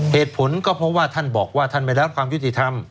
เหตุผลก็เพราะว่าท่านบอกว่าท่านไม่รับความยุติธรรม